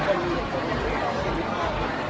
การรับความรักมันเป็นอย่างไร